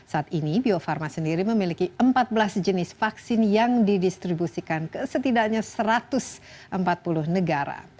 saat ini bio farma sendiri memiliki empat belas jenis vaksin yang didistribusikan ke setidaknya satu ratus empat puluh negara